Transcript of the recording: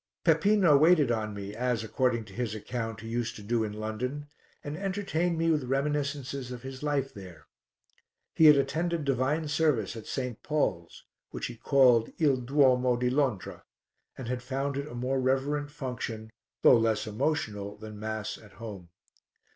Peppino waited on me as, according to his account, he used to do in London, and entertained me with reminiscences of his life there. He had attended divine service at St. Paul's, which he called il Duomo di Londra, and had found it a more reverent function, though less emotional, than Mass at home.